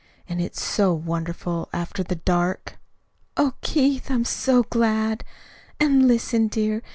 And it's so wonderful after the dark!" "Oh, Keith, I'm so glad! And, listen, dear.